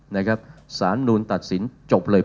สารรัฐมนุญตัดสินจบเลย